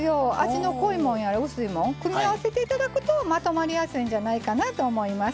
味の濃いもんやら薄いもん組み合わせて頂くとまとまりやすいんじゃないかなと思います。